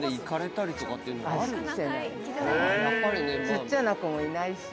◆ちっちゃな子もいないし。